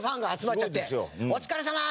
「お疲れさま！」